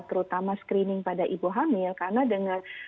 terutama screening pada ibu hamil karena dengan